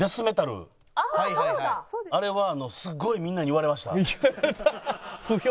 あそうだ！あれはすっごいみんなに言われました。